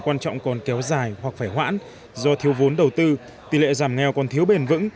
quan trọng còn kéo dài hoặc phải hoãn do thiếu vốn đầu tư tỷ lệ giảm nghèo còn thiếu bền vững